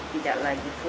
tidak lagi full